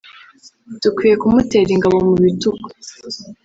“Dukwiye kumutera ingabo mu bitugu